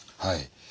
はい。